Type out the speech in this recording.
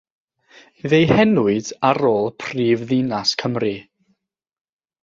Fe'i henwyd ar ôl prifddinas Cymru.